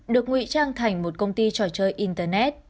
được ngụy trang thành một công ty trò chơi internet